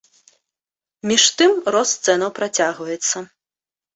Між тым, рост цэнаў працягваецца.